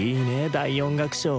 第４楽章。